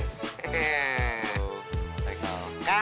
ketua klub anak jalanan